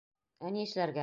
Ә ни эшләргә?